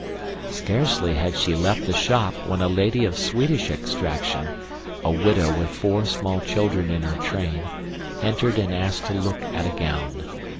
Scarcely had she left the shop when a lady of Swedish extraction a widow with four small children in her train entered and asked to look at a gown.